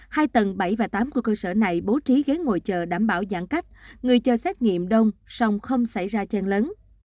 hai tầng bảy và tám của cơ sở này bố trí ghế ngồi chờ đảm bảo giãn cách người cho xét nghiệm đông song không xảy ra chen lấn